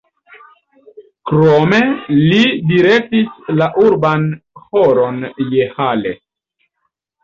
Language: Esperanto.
Krome li direktis la Urban Ĥoron je Halle.